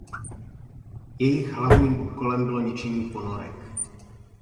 Jejich hlavním úkolem bylo ničení ponorek.